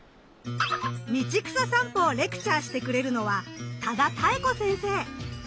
道草さんぽをレクチャーしてくれるのは多田多恵子先生。